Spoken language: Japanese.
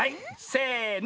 せの！